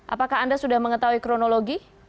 apakah anda sudah mengetahui kronologi